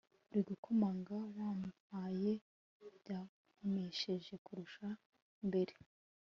buri gukomanga wampaye byankomeje kurusha mbere